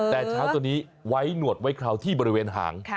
แต่ช้างตัวนี้ไว้หนวดไว้คราวที่บริเวณหาง